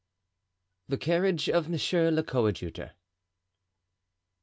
The Carriage of Monsieur le Coadjuteur.